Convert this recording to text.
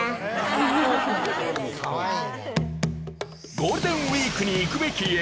ゴールデンウィークに行くべき駅